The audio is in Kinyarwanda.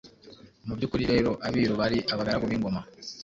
Mu by’ukuri rero ,Abiru bari Abagaragu b’Ingoma ,